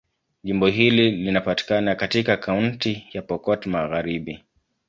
Jimbo hili linapatikana katika Kaunti ya Pokot Magharibi.